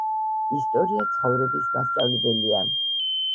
ისტორია ცხოვრების მასწავლებელია